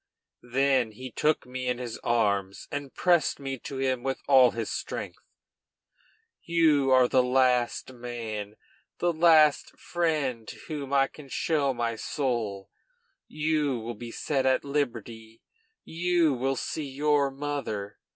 Then he took me in his arms and pressed me to him with all his strength. "You are the last man, the last friend to whom I can show my soul. You will be set at liberty, you will see your mother!